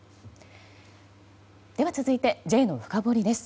では続いて、Ｊのフカボリです。